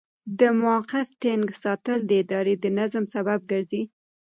د موقف ټینګ ساتل د ادارې د نظم سبب ګرځي.